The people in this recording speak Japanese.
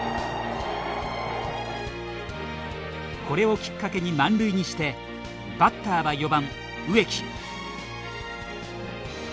これをきっかけに満塁にしてバッターは４番・植木。